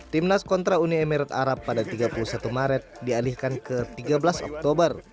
timnas kontra uni emirat arab pada tiga puluh satu maret dialihkan ke tiga belas oktober